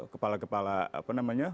kepala kepala apa namanya